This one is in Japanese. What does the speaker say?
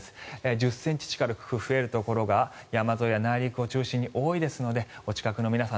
１０ｃｍ近く増えるところが山沿いや内陸を中心に多いですのでお近くの皆さん